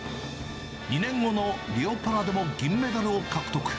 ２年後のリオパラでも銀メダルを獲得。